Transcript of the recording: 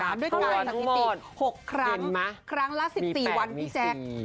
สักนิติ๖ครั้งครั้งละ๑๔วันพี่แจ๊คมี๘มี๔